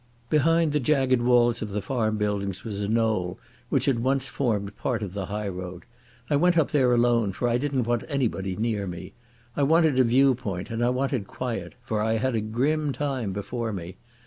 Behind the jagged walls of the farm buildings was a knoll which had once formed part of the high road. I went up there alone, for I didn't want anybody near me. I wanted a viewpoint, and I wanted quiet, for I had a grim time before me.